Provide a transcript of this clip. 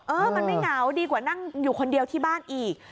เออมันไม่เหงาดีกว่านั่งอยู่คนเดียวที่บ้านอีก